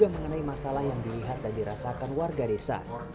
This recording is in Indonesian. mengenai masalah yang dilihat dan dirasakan warga desa